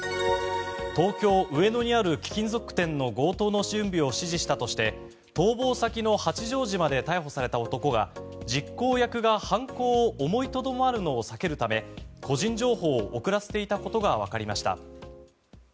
東京・上野にある貴金属店の強盗の準備を指示したとして逃亡先の八丈島で逮捕された男が実行役が犯行を思いとどまるのを避けるため個人情報を送らせていたことがわかりました。